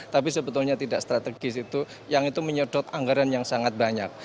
tapi sebetulnya tidak strategis itu yang itu menyedot anggaran yang sangat banyak